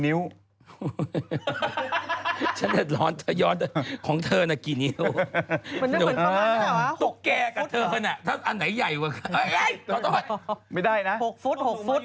๑๗๑นิ้วไม่ได้นะหกฟุต๖ฟุตหกฟุต